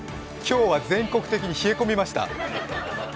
今日は全国的に冷え込みました。